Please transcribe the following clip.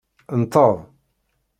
Nteḍ.